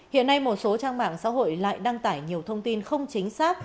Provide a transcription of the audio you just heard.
hiện nay một số trang mạng xã hội lại đăng tải nhiều thông tin không chính xác